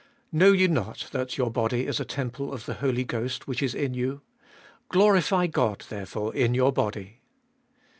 3. "Know ye not that your body is a temple of the Holy Ghost, which is in you ? Glorify God, therefore, In your body."